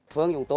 phương nhung tô